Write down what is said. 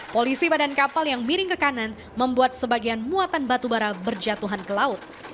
polisi badan kapal yang miring ke kanan membuat sebagian muatan batu bara berjatuhan ke laut